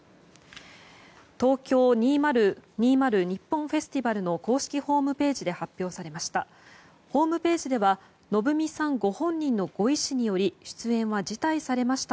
「東京２０２０ＮＩＰＰＯＮフェスティバル」の公式ホームページで発表されました。